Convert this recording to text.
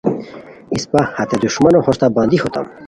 اسپہ ہتے دُݰمنو ہوستہ بندی ہوتام